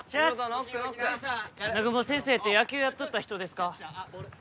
・ノックノック南雲先生って野球やっとった人ですか？